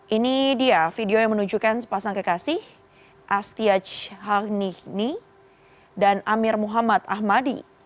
ini dia video yang menunjukkan sepasang kekasih astyaj harnikni dan amir muhammad ahmadi